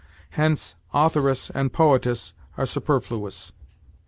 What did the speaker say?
Hence, authoress and poetess are superfluous.